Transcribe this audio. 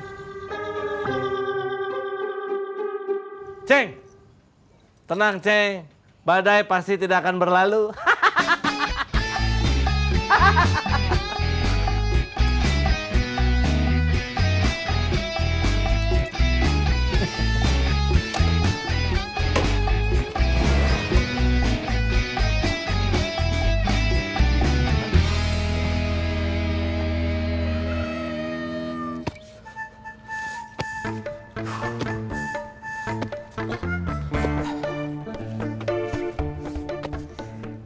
hai ceng tenang ceng badai pasti tidak akan berlalu hahaha hahaha